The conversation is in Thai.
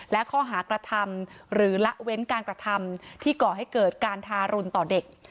และข้อหากระทำหรือละเว้นการกระทำที่ก่อให้เกิดการทารุณต่อเด็ก